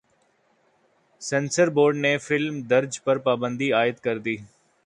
censor board نے film درج پر پابندی عائد کر دی